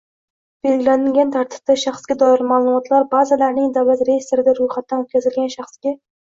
belgilangan tartibda Shaxsga doir ma’lumotlar bazalarining davlat reyestrida ro‘yxatdan o‘tkazilgan shaxsga